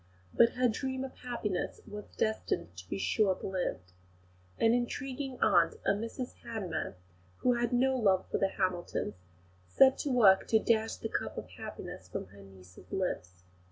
But her dream of happiness was destined to be short lived. An intriguing aunt, Mrs Hanmer, who had no love for the Hamiltons, set to work to dash the cup of happiness from her niece's lips.